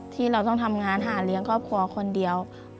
ที่เราต้องทำงานหาเลี้ยงครอบครัวคนเดียว